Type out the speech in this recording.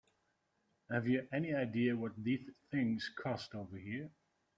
Have you any idea what these things cost over here?